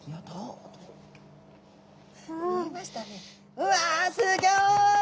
うわすギョい！